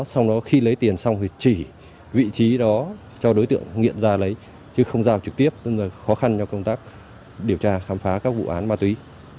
sau đó khi lấy tiền xong thì chỉ vị trí đó cho đối tượng nghiện ra lấy chứ không giao trực tiếp tức là khó khăn cho công tác điều tra khám phá các vụ án ma túy